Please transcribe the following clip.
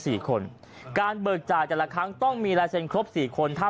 สี่คนการเบิกจ่ายแต่ละครั้งต้องมีลายเซ็นครบสี่คนถ้า